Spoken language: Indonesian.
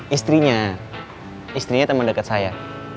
istrinya istrinya teman dekat saya